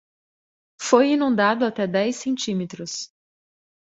Foi inundado até dez centímetros.